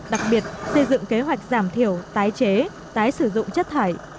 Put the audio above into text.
đặc biệt xây dựng kế hoạch giảm thiểu tái chế tái sử dụng chất thải